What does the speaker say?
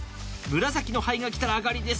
紫の牌がきたらあがりですが。